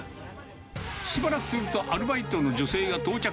しばらくすると、アルバイトの女性が到着。